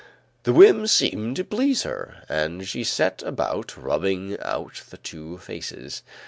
The whim seemed to please her and she set about rubbing out the two faces.